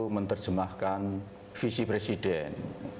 menerjemahkan visi presiden